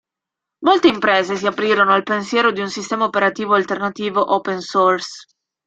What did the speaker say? Molte imprese si aprirono al pensiero di un sistema operativo alternativo open source.